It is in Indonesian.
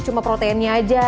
cuma proteinnya aja